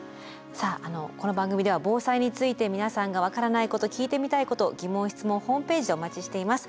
さああのこの番組では防災について皆さんが分からないこと聞いてみたいこと疑問質問ホームページでお待ちしています。